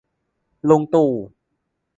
ลุงตู่